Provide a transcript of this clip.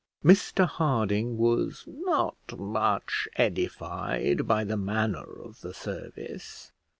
Mr Harding was not much edified by the manner of the service.